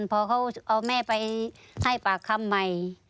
พอเขาเอาแม่ไปให้ปากคำใหม่